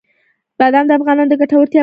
بادام د افغانانو د ګټورتیا برخه ده.